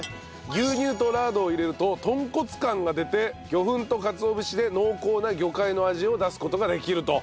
牛乳とラードを入れると豚骨感が出て魚粉とかつお節で濃厚な魚介の味を出す事ができると。